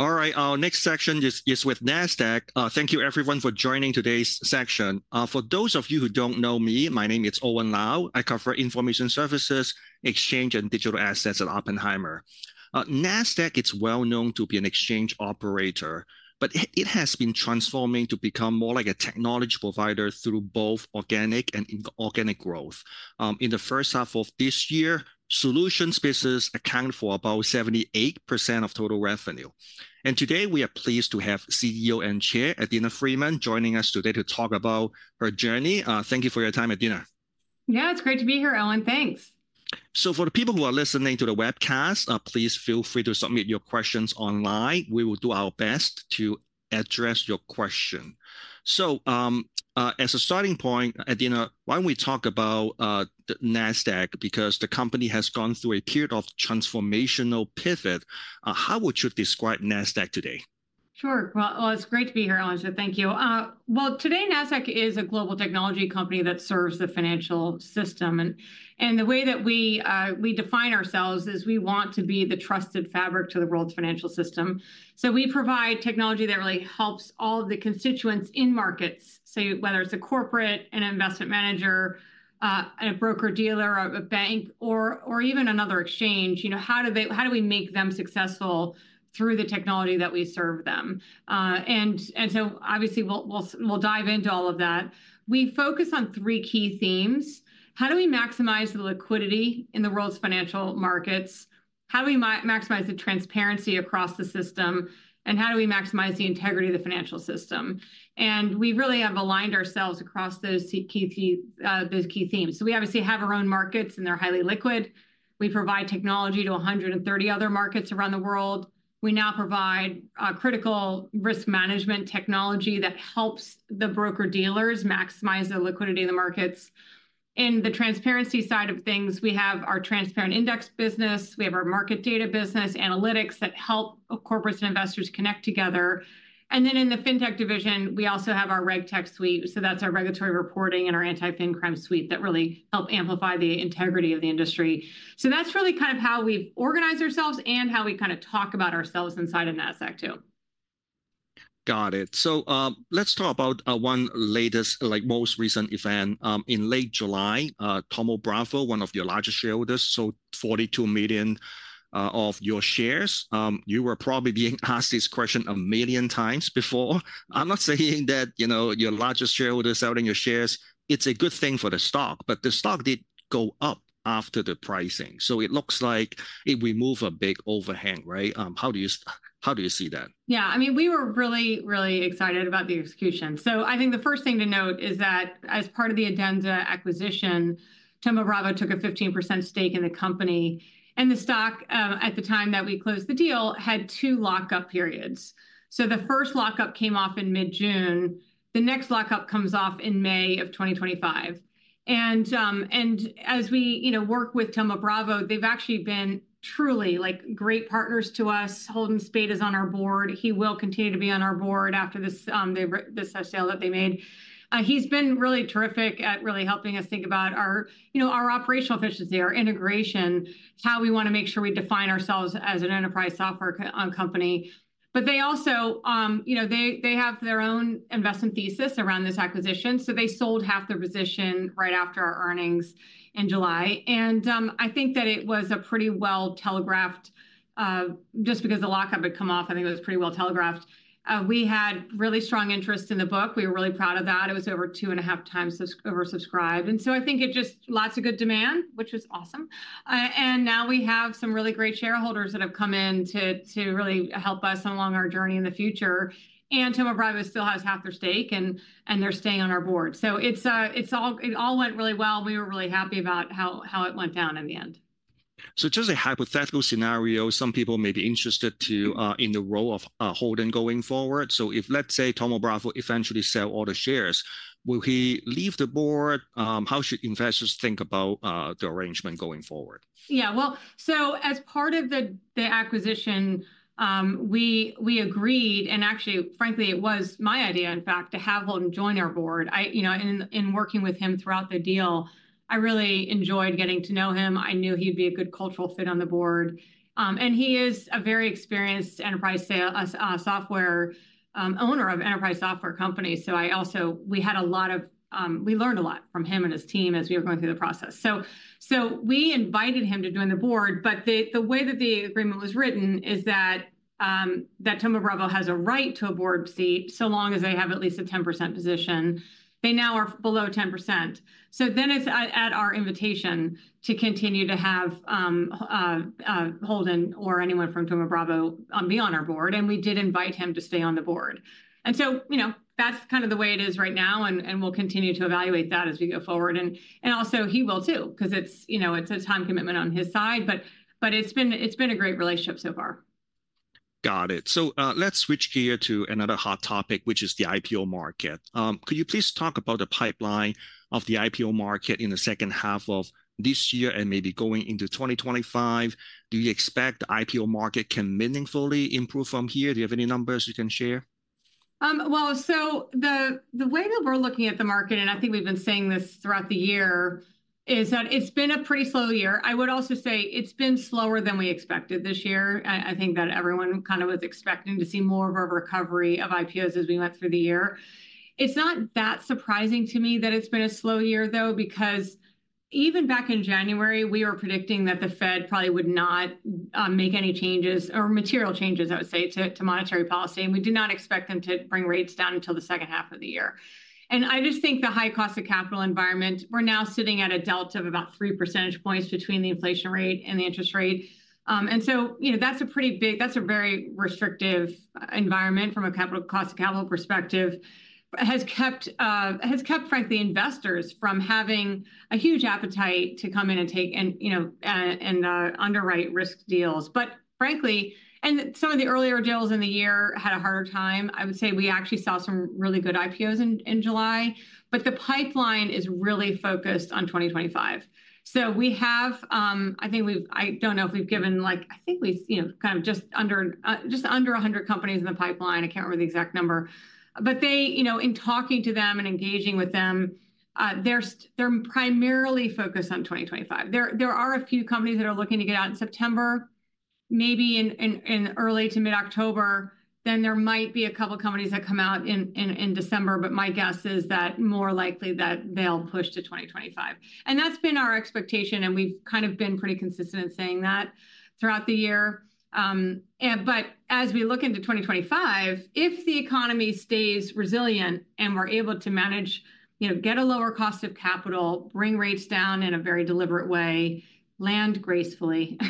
All right, our next section is with Nasdaq. Thank you everyone for joining today's section. For those of you who don't know me, my name is Owen Lau. I cover information services, exchange, and digital assets at Oppenheimer. Nasdaq, it's well known to be an exchange operator, but it has been transforming to become more like a technology provider through both organic and inorganic growth. In the first half of this year, Solutions business accounted for about 78% of total revenue. Today, we are pleased to have CEO and Chair Adena Friedman joining us today to talk about her journey. Thank you for your time, Adena. Yeah, it's great to be here, Owen. Thanks. So for the people who are listening to the webcast, please feel free to submit your questions online. We will do our best to address your question. So, as a starting point, Adena, why don't we talk about the Nasdaq, because the company has gone through a period of transformational pivot. How would you describe Nasdaq today? Sure. Well, Owen, it's great to be here, Owen, so thank you. Well, today, Nasdaq is a global technology company that serves the financial system, and, and the way that we, we define ourselves is we want to be the trusted fabric to the world's financial system. So we provide technology that really helps all of the constituents in markets, so whether it's a corporate, an investment manager, a broker-dealer, or a bank, or, or even another exchange, you know, how do they... How do we make them successful through the technology that we serve them? And so obviously, we'll, we'll, we'll dive into all of that. We focus on three key themes: How do we maximize the liquidity in the world's financial markets? How do we maximize the transparency across the system? And how do we maximize the integrity of the financial system? We really have aligned ourselves across those key themes. So we obviously have our own markets, and they're highly liquid. We provide technology to 130 other markets around the world. We now provide critical risk management technology that helps the broker-dealers maximize the liquidity in the markets. In the transparency side of things, we have our transparent index business, we have our market data business, analytics that help corporates and investors connect together. And then in the fintech division, we also have our RegTech suite, so that's our regulatory reporting and our Anti-Financial Crime suite that really help amplify the integrity of the industry. So that's really kind of how we've organized ourselves and how we kind of talk about ourselves inside of Nasdaq, too. Got it. So, let's talk about one latest, like, most recent event. In late July, Thoma Bravo, one of your largest shareholders, sold 42 million of your shares. You were probably being asked this question a million times before. I'm not saying that, you know, your largest shareholder selling your shares, it's a good thing for the stock, but the stock did go up after the pricing. So it looks like it remove a big overhang, right? How do you see that? Yeah, I mean, we were really, really excited about the execution. So I think the first thing to note is that, as part of the Adenza acquisition, Thoma Bravo took a 15% stake in the company, and the stock, at the time that we closed the deal, had two lock-up periods. So the first lock-up came off in mid-June. The next lock-up comes off in May of 2025. And as we, you know, work with Thoma Bravo, they've actually been truly, like, great partners to us. Holden Spaht is on our board. He will continue to be on our board after this, this sale that they made. He's been really terrific at really helping us think about our, you know, our operational efficiency, our integration, how we wanna make sure we define ourselves as an enterprise software company. But they also... You know, they, they have their own investment thesis around this acquisition, so they sold half their position right after our earnings in July. And, I think that it was a pretty well-telegraphed, just because the lock-up had come off, I think it was pretty well telegraphed. We had really strong interest in the book. We were really proud of that. It was over 2.5x oversubscribed, and so I think it just lots of good demand, which was awesome. And now we have some really great shareholders that have come in to, to really help us along our journey in the future, and Thoma Bravo still has half their stake, and, and they're staying on our board. So it's, it all went really well. We were really happy about how, how it went down in the end. So just a hypothetical scenario, some people may be interested to, in the role of, Holden going forward. So if, let's say, Thoma Bravo eventually sell all the shares, will he leave the board? How should investors think about, the arrangement going forward? Yeah, well, so as part of the acquisition, we agreed, and actually, frankly, it was my idea, in fact, to have Holden join our board. You know, in working with him throughout the deal, I really enjoyed getting to know him. I knew he'd be a good cultural fit on the board. And he is a very experienced enterprise sales software owner of enterprise software company, so we had a lot of. We learned a lot from him and his team as we were going through the process. So we invited him to join the board, but the way that the agreement was written is that that Thoma Bravo has a right to a board seat, so long as they have at least a 10% position. They now are below 10%, so then it's at our invitation to continue to have Holden or anyone from Thoma Bravo on, be on our board, and we did invite him to stay on the board. And so, you know, that's kind of the way it is right now, and we'll continue to evaluate that as we go forward. And also he will, too, 'cause it's, you know, it's a time commitment on his side, but it's been a great relationship so far. Got it. So, let's switch gear to another hot topic, which is the IPO market. Could you please talk about the pipeline of the IPO market in the second half of this year and maybe going into 2025? Do you expect the IPO market can meaningfully improve from here? Do you have any numbers you can share?... Well, so the, the way that we're looking at the market, and I think we've been saying this throughout the year, is that it's been a pretty slow year. I would also say it's been slower than we expected this year. I, I think that everyone kind of was expecting to see more of a recovery of IPOs as we went through the year. It's not that surprising to me that it's been a slow year, though, because even back in January, we were predicting that the Fed probably would not make any changes or material changes, I would say, to, to monetary policy, and we do not expect them to bring rates down until the second half of the year. And I just think the high cost of capital environment, we're now sitting at a delta of about 3 percentage points between the inflation rate and the interest rate. And so, you know, that's a pretty big, that's a very restrictive environment from a capital, cost of capital perspective. Has kept, frankly, investors from having a huge appetite to come in and take and, you know, and underwrite risk deals. But frankly, some of the earlier deals in the year had a harder time. I would say we actually saw some really good IPOs in July, but the pipeline is really focused on 2025. So we have, I think we've, I don't know if we've given, like. I think we've, you know, kind of just under, just under 100 companies in the pipeline. I can't remember the exact number. But they, you know, in talking to them and engaging with them, they're primarily focused on 2025. There are a few companies that are looking to get out in September, maybe in early to mid-October, then there might be a couple companies that come out in December, but my guess is that more likely that they'll push to 2025. That's been our expectation, and we've kind of been pretty consistent in saying that throughout the year. But as we look into 2025, if the economy stays resilient and we're able to manage, you know, get a lower cost of capital, bring rates down in a very deliberate way, land gracefully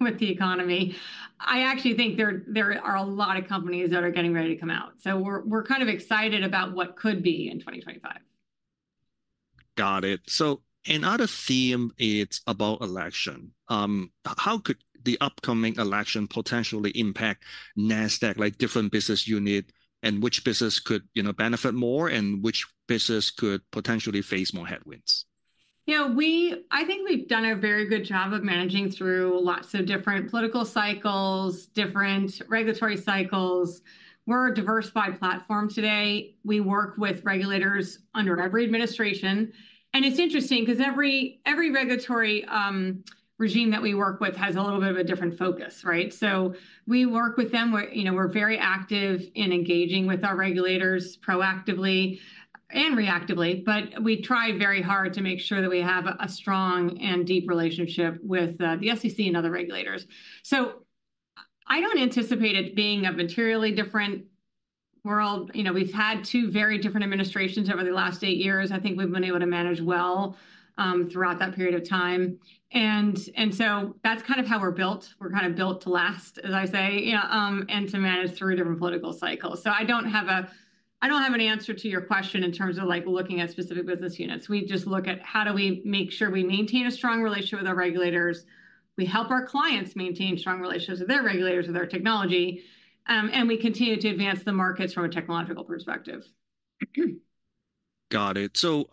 with the economy, I actually think there are a lot of companies that are getting ready to come out. So we're kind of excited about what could be in 2025. Got it. So another theme, it's about election. How could the upcoming election potentially impact Nasdaq, like, different business unit, and which business could, you know, benefit more and which business could potentially face more headwinds? You know, I think we've done a very good job of managing through lots of different political cycles, different regulatory cycles. We're a diversified platform today. We work with regulators under every administration. And it's interesting because every regulatory regime that we work with has a little bit of a different focus, right? So we work with them where, you know, we're very active in engaging with our regulators proactively and reactively, but we try very hard to make sure that we have a strong and deep relationship with the SEC and other regulators. So I don't anticipate it being a materially different world. You know, we've had two very different administrations over the last 8 years. I think we've been able to manage well throughout that period of time. And so that's kind of how we're built. We're kind of built to last, as I say, you know, and to manage through different political cycles. So I don't have an answer to your question in terms of, like, looking at specific business units. We just look at how do we make sure we maintain a strong relationship with our regulators, we help our clients maintain strong relationships with their regulators with our technology, and we continue to advance the markets from a technological perspective. Got it. So,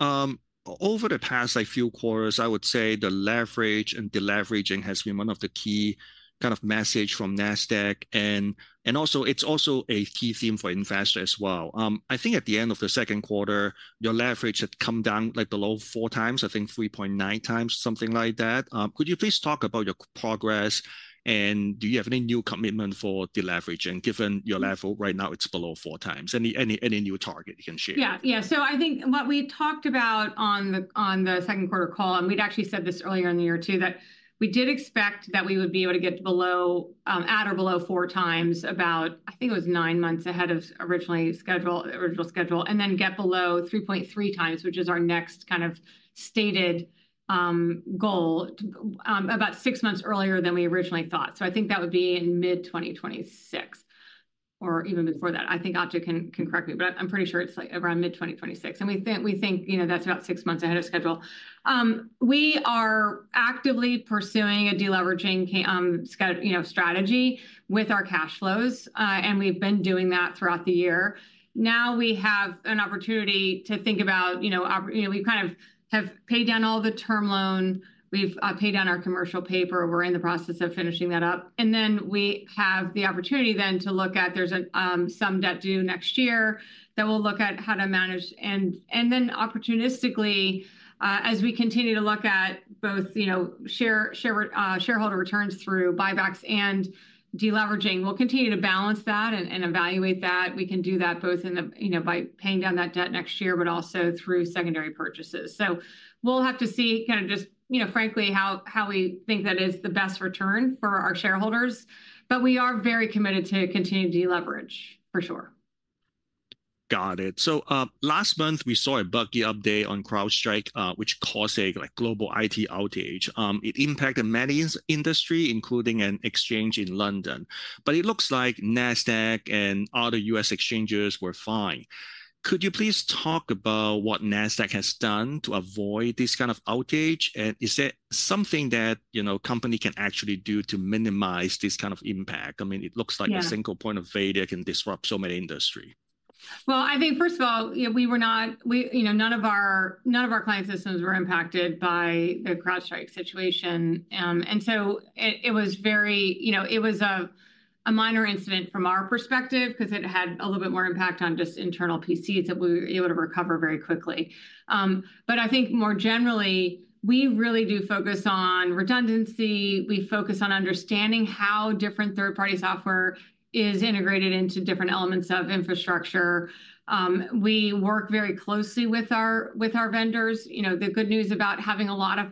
over the past, like, few quarters, I would say the leverage and deleveraging has been one of the key kind of message from Nasdaq, and also it's also a key theme for investor as well. I think at the end of the second quarter, your leverage had come down, like, below four times, I think 3.9 times, something like that. Could you please talk about your progress, and do you have any new commitment for deleveraging, given your level right now, it's below four times? Any new target you can share? Yeah, yeah. So I think what we talked about on the second quarter call, and we'd actually said this earlier in the year, too, that we did expect that we would be able to get below at or below 4x about 9 months ahead of original schedule, and then get below 3.3x, which is our next kind of stated goal about 6 months earlier than we originally thought. So I think that would be in mid-2026, or even before that. I think Adena can correct me, but I'm pretty sure it's like around mid-2026. And we think, we think, you know, that's about 6 months ahead of schedule. We are actively pursuing a deleveraging strategy with our cash flows, and we've been doing that throughout the year. Now we have an opportunity to think about, you know, our... You know, we've kind of have paid down all the term loan, we've paid down our commercial paper. We're in the process of finishing that up. And then we have the opportunity then to look at there's some debt due next year that we'll look at how to manage. And then opportunistically, as we continue to look at both, you know, share shareholder returns through buybacks and deleveraging, we'll continue to balance that and evaluate that. We can do that both in the, you know, by paying down that debt next year, but also through secondary purchases. So we'll have to see kind of just, you know, frankly, how we think that is the best return for our shareholders, but we are very committed to continue to deleverage, for sure. Got it. So, last month, we saw a buggy update on CrowdStrike, which caused, like, a global IT outage. It impacted many industries, including an exchange in London, but it looks like Nasdaq and other U.S. exchanges were fine. Could you please talk about what Nasdaq has done to avoid this kind of outage? And is there something that, you know, company can actually do to minimize this kind of impact? I mean, it looks like- Yeah... a single point of failure can disrupt so many industries.... Well, I think first of all, you know, we, you know, none of our client systems were impacted by the CrowdStrike situation. And so it was very, you know, it was a minor incident from our perspective, because it had a little bit more impact on just internal PCs that we were able to recover very quickly. But I think more generally, we really do focus on redundancy, we focus on understanding how different third-party software is integrated into different elements of infrastructure. We work very closely with our vendors. You know, the good news about having a lot of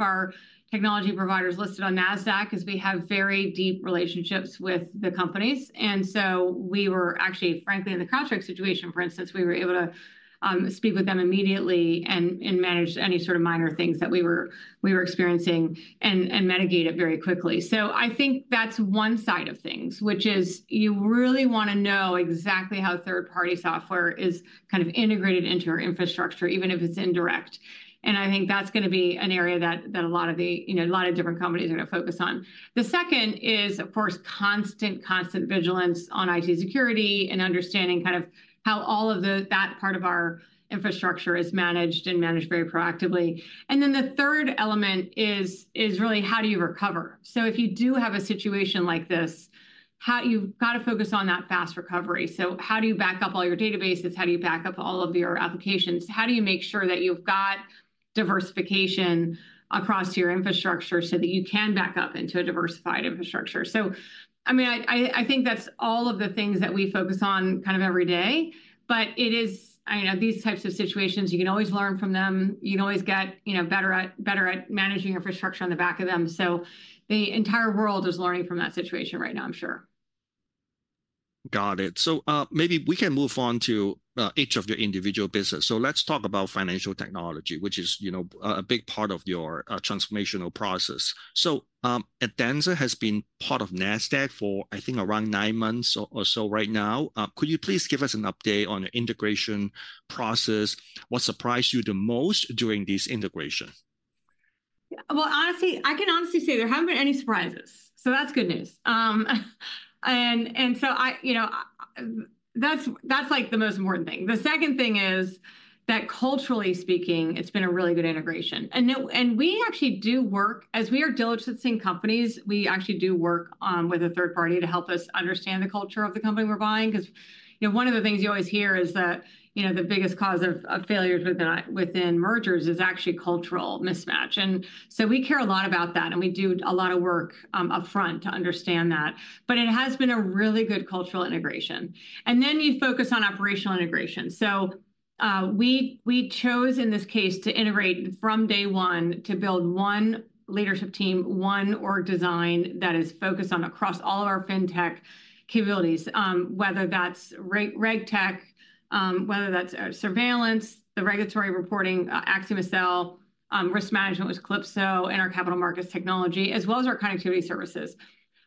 our technology providers listed on Nasdaq is we have very deep relationships with the companies. We were actually, frankly, in the CrowdStrike situation, for instance, able to speak with them immediately and manage any sort of minor things that we were experiencing, and mitigate it very quickly. So I think that's one side of things, which is you really wanna know exactly how third-party software is kind of integrated into your infrastructure, even if it's indirect. And I think that's gonna be an area that a lot of, you know, different companies are gonna focus on. The second is, of course, constant vigilance on IT security, and understanding kind of how all of that part of our infrastructure is managed, and managed very proactively. And then the third element is really how do you recover? So if you do have a situation like this, how you've gotta focus on that fast recovery. So how do you back up all your databases? How do you back up all of your applications? How do you make sure that you've got diversification across your infrastructure, so that you can back up into a diversified infrastructure? So, I mean, I think that's all of the things that we focus on kind of every day. But it is... I know these types of situations, you can always learn from them, you can always get, you know, better at, better at managing infrastructure on the back of them. So the entire world is learning from that situation right now, I'm sure. Got it. So, maybe we can move on to each of your individual business. So let's talk about Financial Technology, which is, you know, a big part of your transformational process. So, Adenza has been part of Nasdaq for, I think, around nine months or so right now. Could you please give us an update on the integration process? What surprised you the most during this integration? Well, honestly, I can honestly say there haven't been any surprises, so that's good news. And so I, you know, that's like the most important thing. The second thing is that culturally speaking, it's been a really good integration. And we actually do work, as we are diligencing companies, we actually do work with a third party to help us understand the culture of the company we're buying. Because, you know, one of the things you always hear is that, you know, the biggest cause of failures within mergers is actually cultural mismatch. And so we care a lot about that, and we do a lot of work upfront to understand that. But it has been a really good cultural integration. And then you focus on operational integration. So, we chose, in this case, to integrate from day one, to build one leadership team, one org design that is focused on across all of our fintech capabilities, whether that's RegTech, whether that's surveillance, the regulatory reporting, AxiomSL, risk management with Calypso, and our capital markets technology, as well as our connectivity services.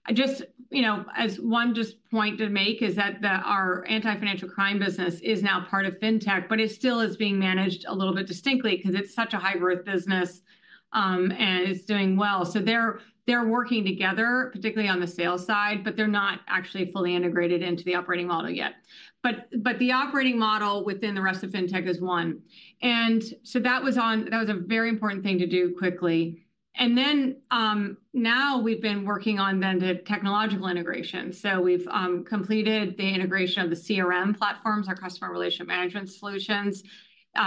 I just, you know, as one point to make is that our Anti-Financial Crime business is now part of fintech, but it still is being managed a little bit distinctly, because it's such a high-growth business, and it's doing well. So they're working together, particularly on the sales side, but they're not actually fully integrated into the operating model yet. But the operating model within the rest of fintech is one. That was a very important thing to do quickly. And then, now we've been working on then the technological integration. So we've completed the integration of the CRM platforms, our customer relationship management solutions.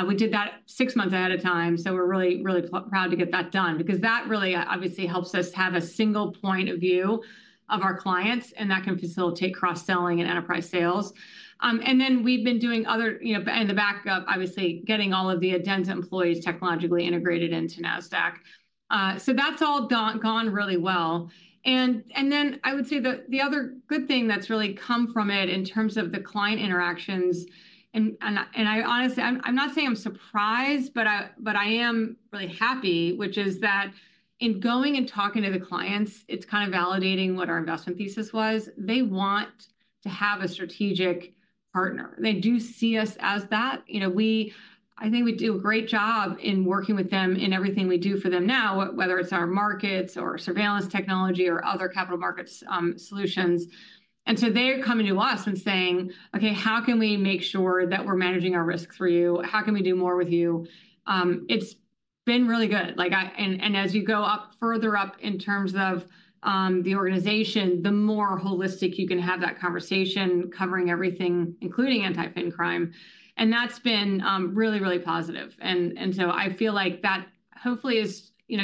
We did that six months ahead of time, so we're really, really proud to get that done, because that really obviously helps us have a single point of view of our clients, and that can facilitate cross-selling and enterprise sales. And then we've been doing other, you know, and the backup, obviously, getting all of the Adenza employees technologically integrated into Nasdaq. So that's all gone, gone really well. And then I would say the other good thing that's really come from it in terms of the client interactions, and I honestly, I'm not saying I'm surprised, but I am really happy, which is that in going and talking to the clients, it's kind of validating what our investment thesis was. They want to have a strategic partner. They do see us as that. You know, we—I think we do a great job in working with them in everything we do for them now, whether it's our markets, or surveillance technology, or other capital markets solutions. And so they're coming to us and saying: "Okay, how can we make sure that we're managing our risk for you? How can we do more with you?" It's been really good. Like, I... As you go up further up in terms of the organization, the more holistic you can have that conversation, covering everything, including anti-fin crime, and that's been really, really positive. And so I feel like that hopefully is, you know,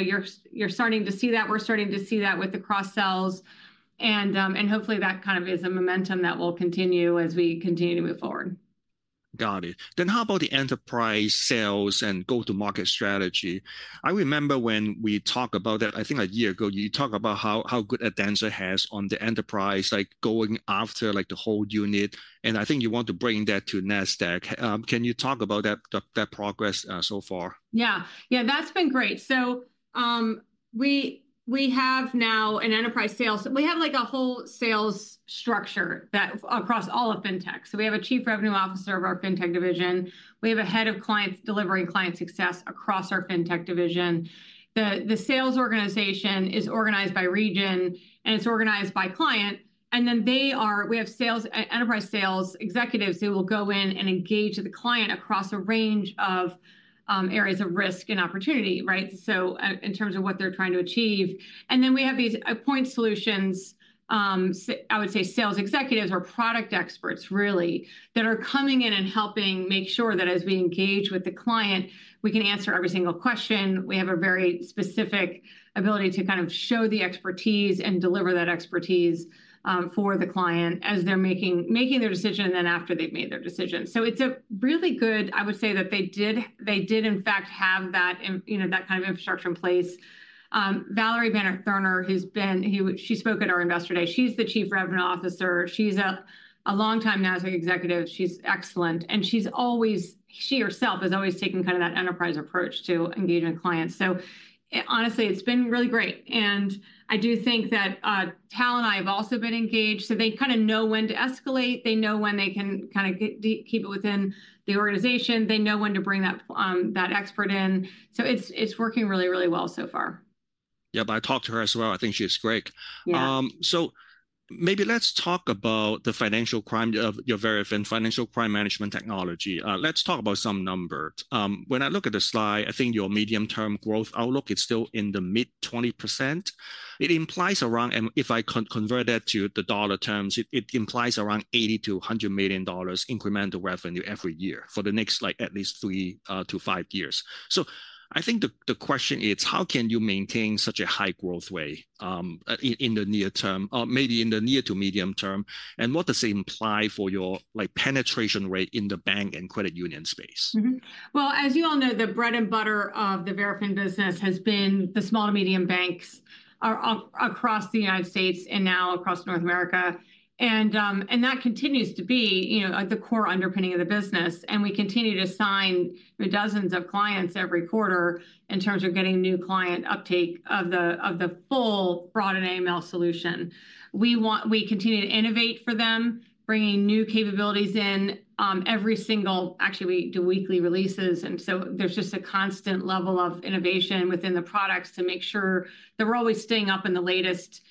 you're starting to see that, we're starting to see that with the cross-sells. And hopefully that kind of is a momentum that will continue as we continue to move forward. Got it. Then how about the enterprise sales and go-to-market strategy? I remember when we talked about that, I think a year ago, you talked about how good Adenza has on the enterprise, like going after, like, the whole unit, and I think you want to bring that to Nasdaq. Can you talk about that progress so far? Yeah. Yeah, that's been great. So, we have now an enterprise sales. We have, like, a whole sales structure that across all of fintech. So we have a Chief Revenue Officer of our fintech division, we have a head of clients delivering client success across our fintech division. The sales organization is organized by region, and it's organized by client, and then they are. We have sales, enterprise sales executives who will go in and engage the client across a range of areas of risk and opportunity, right? So, in terms of what they're trying to achieve. And then we have these point solutions, I would say sales executives or product experts really, that are coming in and helping make sure that as we engage with the client, we can answer every single question. We have a very specific ability to kind of show the expertise and deliver that expertise for the client as they're making their decision and then after they've made their decision. So it's a really good. I would say that they did, they did in fact have that, in, you know, that kind of infrastructure in place. Valerie Bannert-Thurner, who's been... She spoke at our Investor Day. She's the Chief Revenue Officer. She's a longtime Nasdaq executive. She's excellent, and she's always. She herself has always taken kind of that enterprise approach to engaging clients. So, honestly, it's been really great, and I do think that Tal and I have also been engaged, so they kinda know when to escalate. They know when they can kinda keep it within the organization. They know when to bring that, that expert in, so it's, it's working really, really well so far. Yeah, but I talked to her as well. I think she's great. Yeah. So maybe let's talk about the financial crime of your Verafin financial crime management technology. Let's talk about some numbers. When I look at the slide, I think your medium-term growth outlook is still in the mid-20%. It implies around... And if I convert that to the dollar terms, it implies around $80-$100 million incremental revenue every year for the next, like, at least three to five years. So I think the question is: How can you maintain such a high growth rate in the near term, or maybe in the near to medium term? And what does it imply for your, like, penetration rate in the bank and credit union space? Mm-hmm. Well, as you all know, the bread and butter of the Verafin business has been the small to medium banks across the United States and now across North America. And that continues to be, you know, like, the core underpinning of the business, and we continue to sign, you know, dozens of clients every quarter in terms of getting new client uptake of the full fraud and AML solution. We continue to innovate for them, bringing new capabilities in. Actually, we do weekly releases, and so there's just a constant level of innovation within the products to make sure that we're always staying up in the latest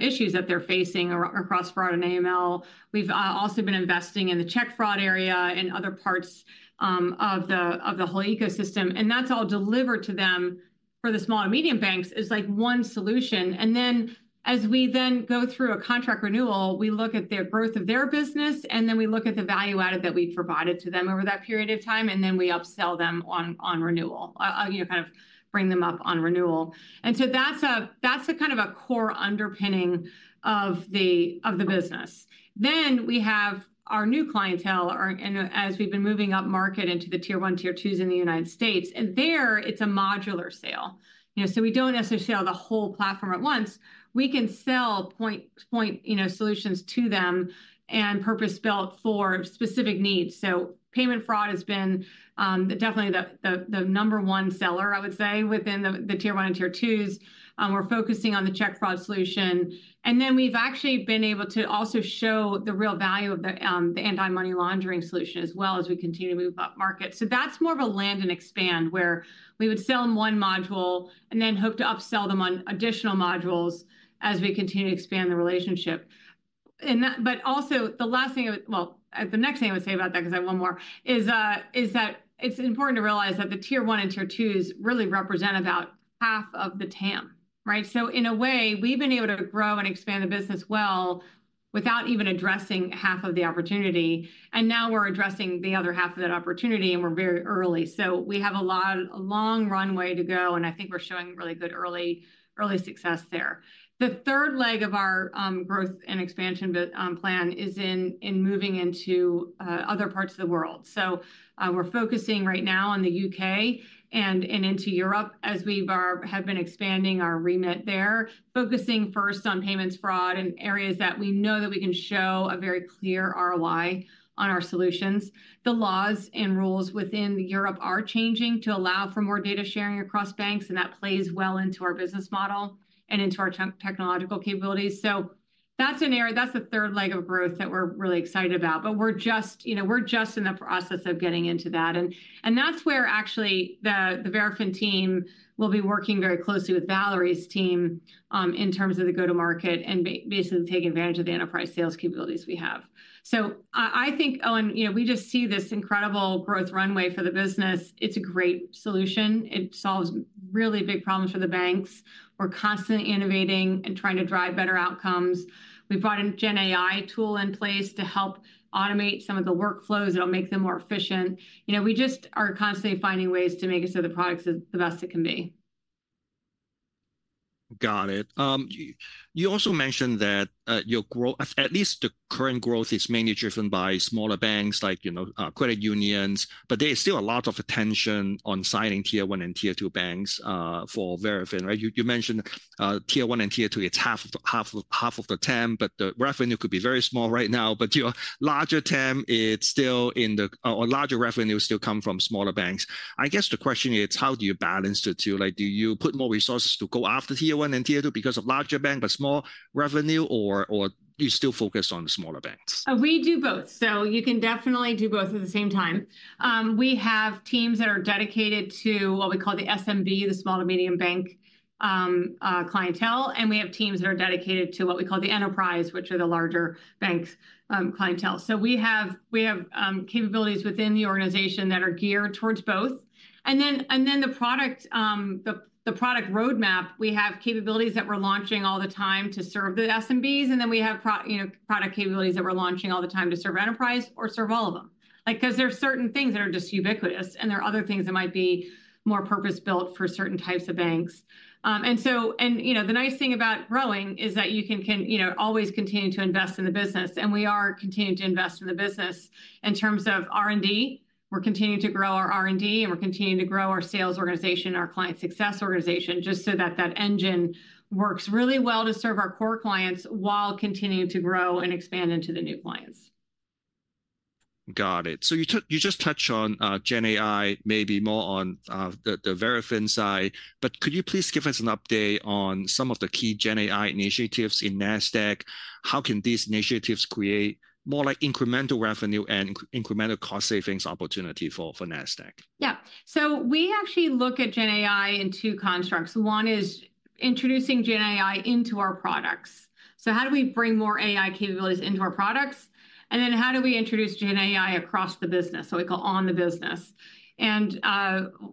issues that they're facing across fraud and AML. We've also been investing in the check fraud area and other parts of the whole ecosystem, and that's all delivered to them, for the small and medium banks, as like one solution. Then, as we go through a contract renewal, we look at their growth of their business, and then we look at the value added that we've provided to them over that period of time, and then we upsell them on renewal. You know, kind of bring them up on renewal. So that's a kind of a core underpinning of the business. Then we have our new clientele, our. As we've been moving upmarket into the tier one, tier twos in the United States, and there, it's a modular sale. You know, so we don't necessarily sell the whole platform at once. We can sell point solutions to them and purpose-built for specific needs. So payment fraud has been definitely the number one seller, I would say, within the tier one and tier twos. We're focusing on the check fraud solution. And then we've actually been able to also show the real value of the anti-money laundering solution as well as we continue to move upmarket. So that's more of a land and expand, where we would sell them one module and then hope to upsell them on additional modules as we continue to expand the relationship. But also, the next thing I would say about that, 'cause I have one more, is that it's important to realize that the tier one and tier twos really represent about half of the TAM, right? So in a way, we've been able to grow and expand the business well without even addressing half of the opportunity, and now we're addressing the other half of that opportunity, and we're very early. So we have a long runway to go, and I think we're showing really good early, early success there. The third leg of our growth and expansion plan is in moving into other parts of the world. So, we're focusing right now on the UK and into Europe as we have been expanding our remit there, focusing first on payments fraud in areas that we know that we can show a very clear ROI on our solutions. The laws and rules within Europe are changing to allow for more data sharing across banks, and that plays well into our business model and into our technological capabilities. So that's an area, that's the third leg of growth that we're really excited about. But we're just, you know, we're just in the process of getting into that, and that's where actually the Verafin team will be working very closely with Valerie's team in terms of the go-to-market and basically take advantage of the enterprise sales capabilities we have. So I, I think, Owen, you know, we just see this incredible growth runway for the business. It's a great solution. It solves really big problems for the banks. We're constantly innovating and trying to drive better outcomes. We've brought in GenAI tool in place to help automate some of the workflows; it'll make them more efficient. You know, we just are constantly finding ways to make it so the product's the, the best it can be. Got it. You also mentioned that at least the current growth is mainly driven by smaller banks, like, you know, credit unions, but there is still a lot of attention on signing tier one and tier two banks for Verafin, right? You mentioned tier one and tier two. It's half of the TAM, but the revenue could be very small right now. But your larger TAM is still in the... or larger revenue still come from smaller banks. I guess the question is: How do you balance the two? Like, do you put more resources to go after tier one and tier two because of larger bank, but small revenue, or do you still focus on the smaller banks? We do both. So you can definitely do both at the same time. We have teams that are dedicated to what we call the SMB, the small to medium bank clientele, and we have teams that are dedicated to what we call the enterprise, which are the larger banks' clientele. So we have capabilities within the organization that are geared towards both. And then the product roadmap, we have capabilities that we're launching all the time to serve the SMBs, and then we have product capabilities that we're launching all the time to serve enterprise or serve all of them. Like, 'cause there are certain things that are just ubiquitous, and there are other things that might be more purpose-built for certain types of banks. And so, you know, the nice thing about growing is that you can, you know, always continue to invest in the business, and we are continuing to invest in the business. In terms of R&D, we're continuing to grow our R&D, and we're continuing to grow our sales organization, our client success organization, just so that that engine works really well to serve our core clients while continuing to grow and expand into the new clients. Got it. So you just touched on GenAI, maybe more on the Verafin side, but could you please give us an update on some of the key GenAI initiatives in Nasdaq? How can these initiatives create more, like, incremental revenue and incremental cost savings opportunity for Nasdaq? Yeah. So we actually look at GenAI in two constructs. One is introducing GenAI into our products. So how do we bring more AI capabilities into our products? And then how do we introduce GenAI across the business, so we call on the business? And,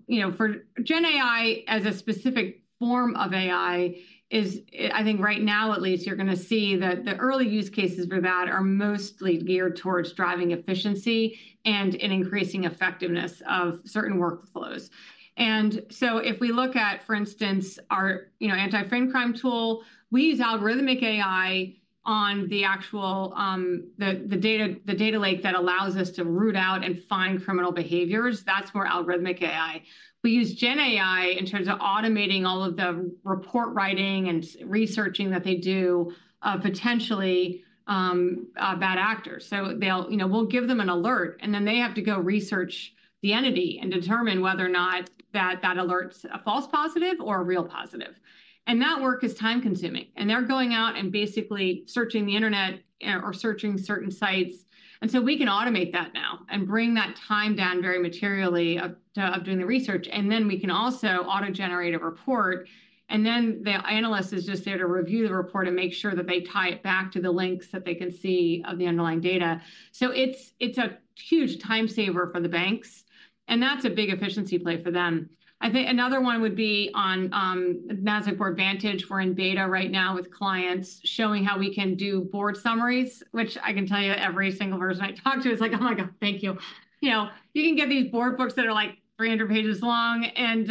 you know, for GenAI as a specific form of AI is, I think right now at least, you're gonna see that the early use cases for that are mostly geared towards driving efficiency and in increasing effectiveness of certain workflows. And so if we look at, for instance, our, you know, Anti-Financial Crime tool, we use algorithmic AI on the actual, the data lake that allows us to root out and find criminal behaviors. That's more algorithmic AI. We use GenAI in terms of automating all of the report writing and researching that they do, potentially bad actors. So they'll, you know, we'll give them an alert, and then they have to go research the entity and determine whether or not that, that alert's a false positive or a real positive. And that work is time-consuming, and they're going out and basically searching the internet or searching certain sites, and so we can automate that now and bring that time down very materially of doing the research. And then we can also auto-generate a report, and then the analyst is just there to review the report and make sure that they tie it back to the links that they can see of the underlying data. So it's a huge time saver for the banks, and that's a big efficiency play for them. I think another one would be on Nasdaq Boardvantage. We're in beta right now with clients, showing how we can do board summaries, which I can tell you, every single person I talk to, it's like, "Oh, my God, thank you!" You know, you can get these board books that are, like, 300 pages long, and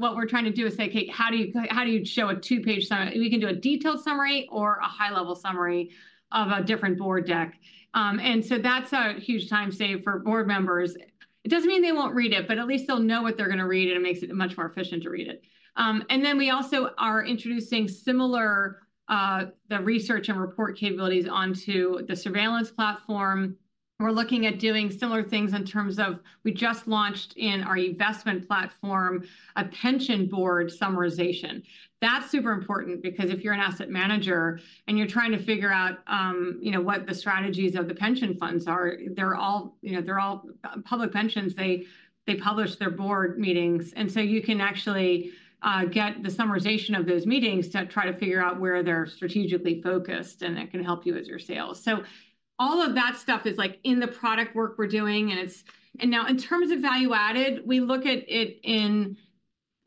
what we're trying to do is say, "Okay, how do you show a 2-page summary?" We can do a detailed summary or a high-level summary of a different board deck. And so that's a huge time save for board members. It doesn't mean they won't read it, but at least they'll know what they're gonna read, and it makes it much more efficient to read it. And then we also are introducing similar, the research and report capabilities onto the surveillance platform. We're looking at doing similar things in terms of we just launched in our investment platform, a pension board summarization. That's super important because if you're an asset manager and you're trying to figure out, you know, what the strategies of the pension funds are, they're all, you know, they're all, public pensions. They, they publish their board meetings, and so you can actually, get the summarization of those meetings to try to figure out where they're strategically focused, and it can help you with your sales. So all of that stuff is, like, in the product work we're doing, and it's. Now, in terms of value added, we look at it in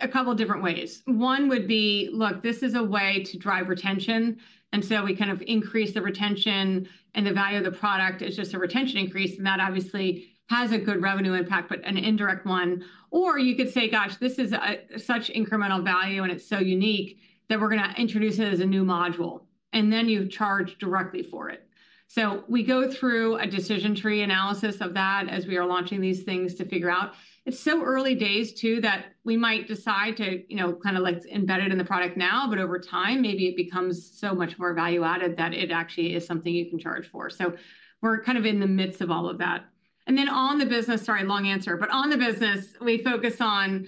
a couple different ways. One would be, look, this is a way to drive retention, and so we kind of increase the retention, and the value of the product is just a retention increase, and that obviously has a good revenue impact, but an indirect one. Or you could say, "Gosh, this is a, such incremental value, and it's so unique that we're gonna introduce it as a new module," and then you charge directly for it. So we go through a decision tree analysis of that as we are launching these things to figure out. It's so early days, too, that we might decide to, you know, kind of like embed it in the product now, but over time, maybe it becomes so much more value added that it actually is something you can charge for. So we're kind of in the midst of all of that. On the business, sorry, long answer, but on the business, we focus on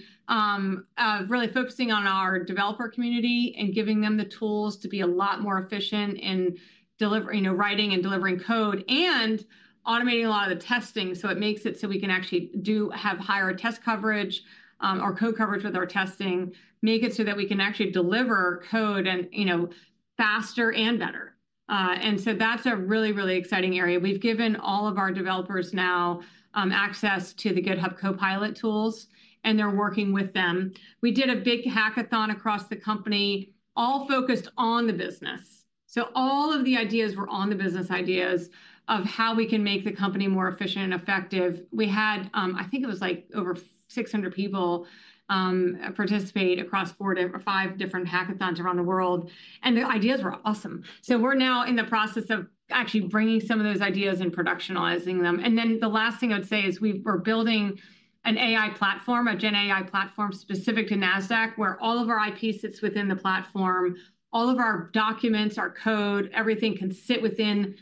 really focusing on our developer community and giving them the tools to be a lot more efficient in, you know, writing and delivering code, and automating a lot of the testing, so it makes it so we can actually have higher test coverage or code coverage with our testing, make it so that we can actually deliver code and, you know, faster and better. And so that's a really, really exciting area. We've given all of our developers now access to the GitHub Copilot tools, and they're working with them. We did a big hackathon across the company, all focused on the business. So all of the ideas were on the business ideas of how we can make the company more efficient and effective. We had, I think it was like over 600 people, participate across four or five different hackathons around the world, and the ideas were awesome. So we're now in the process of actually bringing some of those ideas and productionalizing them. And then the last thing I'd say is we're building an AI platform, a GenAI platform, specific to Nasdaq, where all of our IP sits within the platform, all of our documents, our code, everything can sit within,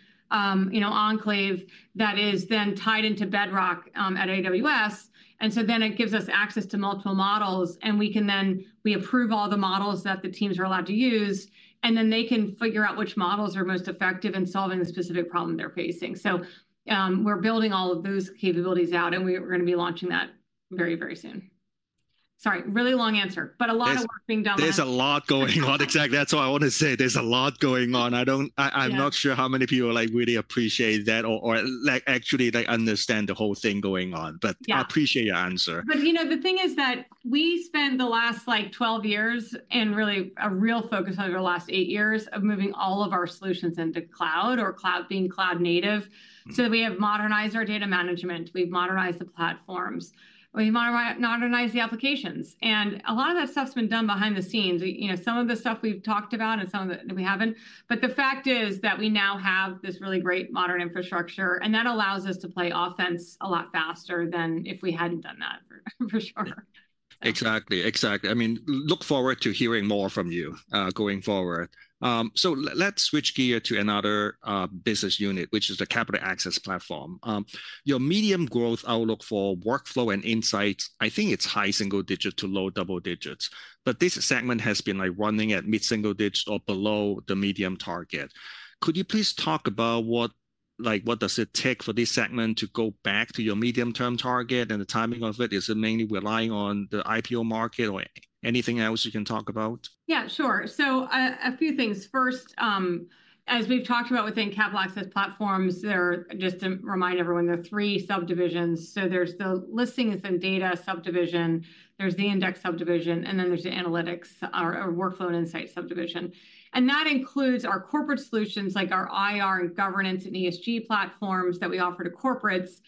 you know, enclave, that is then tied into Bedrock, at AWS. And so then it gives us access to multiple models, and we can then... We approve all the models that the teams are allowed to use, and then they can figure out which models are most effective in solving the specific problem they're facing. So, we're building all of those capabilities out, and we're gonna be launching that very, very soon… Sorry, really long answer, but a lot of work being done on- There's a lot going on. Exactly, that's what I want to say, there's a lot going on. I don't- Yeah. I'm not sure how many people, like, really appreciate that or like actually they understand the whole thing going on. Yeah. But I appreciate your answer. But, you know, the thing is that we spent the last, like, 12 years, and really a real focus over the last 8 years, of moving all of our solutions into cloud or cloud being cloud-native. Mm. So we have modernized our data management, we've modernized the platforms, we've modernized the applications, and a lot of that stuff's been done behind the scenes. We, you know, some of the stuff we've talked about and some of it we haven't. But the fact is that we now have this really great modern infrastructure, and that allows us to play offense a lot faster than if we hadn't done that, for sure. Exactly, exactly. I mean, look forward to hearing more from you, going forward. So let's switch gear to another business unit, which is the Capital Access Platforms. Your medium growth outlook for workflow and insights, I think it's high single digit to low double digits, but this segment has been, like, running at mid single digit or below the medium target. Could you please talk about what, like, what does it take for this segment to go back to your medium-term target and the timing of it? Is it mainly relying on the IPO market or anything else you can talk about? Yeah, sure. So, a few things. First, as we've talked about within Capital Access Platforms, there are... Just to remind everyone, there are three subdivisions. So there's the Listings and Data subdivision, there's the Index subdivision, and then there's the Analytics, or Workflow and Insights subdivision. And that includes our Corporate Solutions, like our IR, and governance, and ESG platforms that we offer to corporates,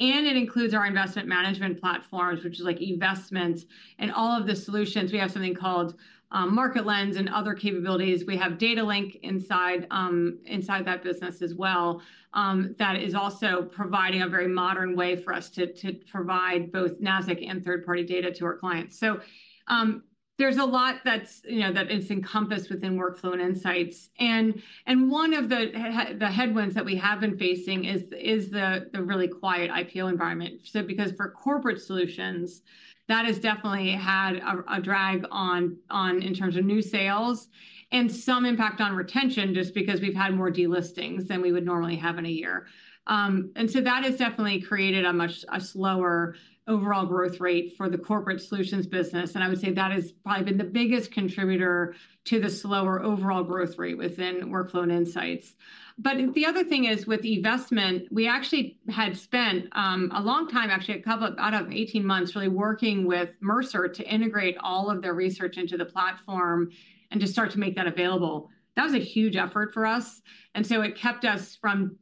and it includes our investment management platforms, which is like eVestment. And all of the solutions, we have something called Market Lens and other capabilities. We have Data Link inside that business as well, that is also providing a very modern way for us to provide both Nasdaq and third-party data to our clients. So, there's a lot that's, you know, that is encompassed within Workflow and Insights. One of the headwinds that we have been facing is the really quiet IPO environment. So because for corporate solutions, that has definitely had a drag on, in terms of new sales and some impact on retention, just because we've had more delistings than we would normally have in a year. And so that has definitely created a much slower overall growth rate for the corporate Solutions business, and I would say that has probably been the biggest contributor to the slower overall growth rate within workflow and insights. But the other thing is, with eVestment, we actually had spent a long time, actually, out of 18 months, really working with Mercer to integrate all of their research into the platform and to start to make that available. That was a huge effort for us, and so it kept us from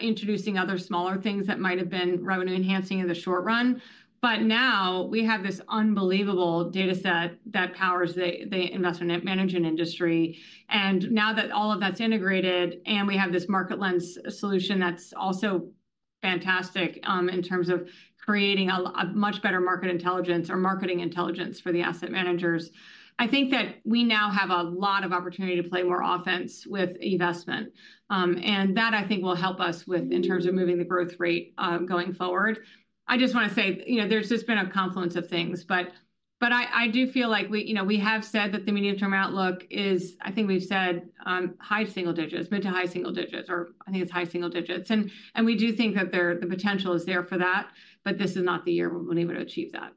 introducing other smaller things that might have been revenue-enhancing in the short run. But now we have this unbelievable data set that powers the investment management industry. And now that all of that's integrated and we have this Market Lens solution, that's also fantastic in terms of creating a much better market intelligence or marketing intelligence for the asset managers. I think that we now have a lot of opportunity to play more offense with eVestment. And that, I think, will help us in terms of moving the growth rate going forward. I just wanna say, you know, there's just been a confluence of things. But I do feel like we... You know, we have said that the medium-term outlook is, I think we've said, high single digits, mid to high single digits, or I think it's high single digits. We do think that the potential is there for that, but this is not the year we're going to be able to achieve that.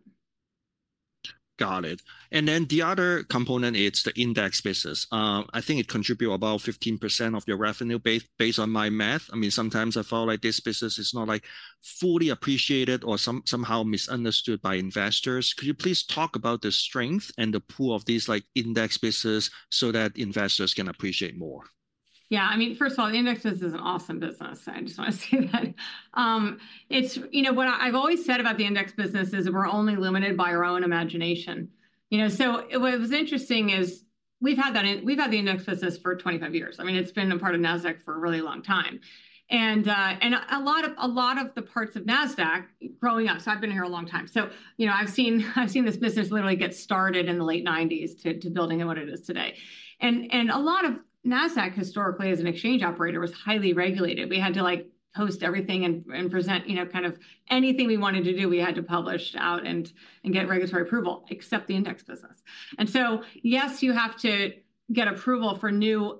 Got it. And then the other component, it's the index business. I think it contribute about 15% of your revenue, based on my math. I mean, sometimes I feel like this business is not, like, fully appreciated or somehow misunderstood by investors. Could you please talk about the strength and the pool of these, like, index business so that investors can appreciate more? Yeah. I mean, first of all, the index business is an awesome business. I just want to say that. It's... You know, what I've always said about the index business is we're only limited by our own imagination. You know, so what was interesting is we've had that we've had the index business for 25 years. I mean, it's been a part of Nasdaq for a really long time. And, and a lot of, a lot of the parts of Nasdaq growing up, so I've been here a long time. So, you know, I've seen, I've seen this business literally get started in the late 1990s to, to building on what it is today. And, and a lot of Nasdaq historically as an exchange operator was highly regulated. We had to, like, post everything and present, you know, kind of anything we wanted to do. We had to publish out and get regulatory approval, except the index business. So, yes, you have to get approval for new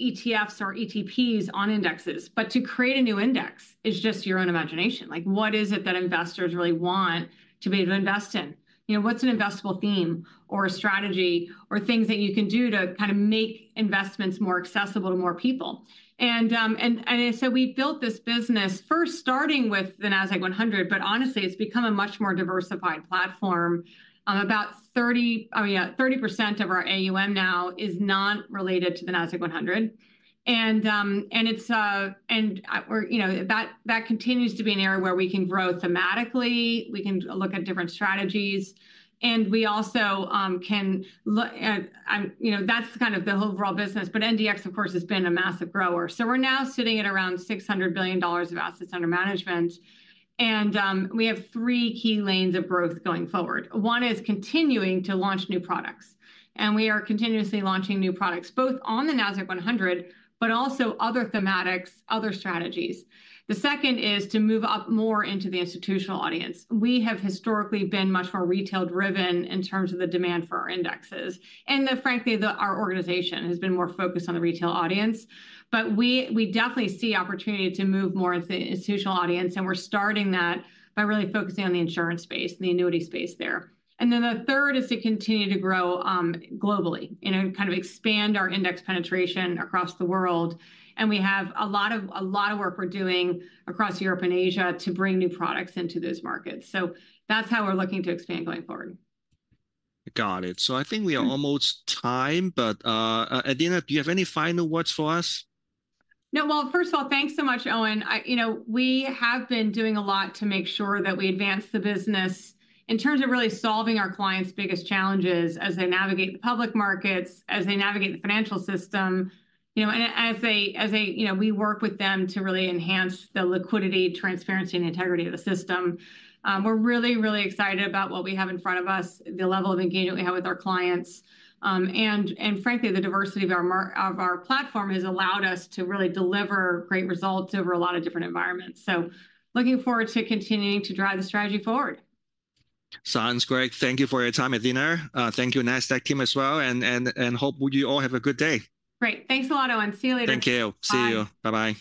ETFs or ETPs on indexes, but to create a new index is just your own imagination. Like, what is it that investors really want to be able to invest in? You know, what's an investable theme, or a strategy, or things that you can do to kind of make investments more accessible to more people? And so we built this business first starting with the Nasdaq 100, but honestly, it's become a much more diversified platform. About 30% of our AUM now is not related to the Nasdaq 100. It's, you know, that continues to be an area where we can grow thematically. We can look at different strategies, and we also, you know, that's kind of the overall business. But NDX, of course, has been a massive grower. So we're now sitting at around $600 billion of assets under management, and we have three key lanes of growth going forward. One is continuing to launch new products, and we are continuously launching new products, both on the Nasdaq 100, but also other thematics, other strategies. The second is to move up more into the institutional audience. We have historically been much more retail-driven in terms of the demand for our indexes, and frankly, our organization has been more focused on the retail audience. But we definitely see opportunity to move more into institutional audience, and we're starting that by really focusing on the insurance space and the annuity space there. And then the third is to continue to grow globally, you know, kind of expand our index penetration across the world, and we have a lot of work we're doing across Europe and Asia to bring new products into those markets. So that's how we're looking to expand going forward. Got it. So I think we are almost time, but at the end, do you have any final words for us? No. Well, first of all, thanks so much, Owen. I—you know, we have been doing a lot to make sure that we advance the business in terms of really solving our clients' biggest challenges as they navigate the public markets, as they navigate the financial system, you know, and as they. You know, we work with them to really enhance the liquidity, transparency, and integrity of the system. We're really, really excited about what we have in front of us, the level of engagement we have with our clients, and frankly, the diversity of our platform has allowed us to really deliver great results over a lot of different environments. So looking forward to continuing to drive the strategy forward. Sounds great. Thank you for your time, Adena. Thank you, Nasdaq team, as well, and hope you all have a good day. Great. Thanks a lot, Owen. See you later. Thank you. Bye. See you. Bye-bye.